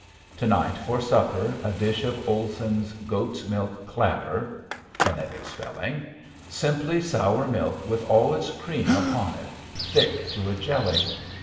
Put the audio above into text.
To night for supper a dish of Olson's goat's milk "Klabber" (phonetic spelling), simply sour milk with all its cream upon it, thick to a jelly.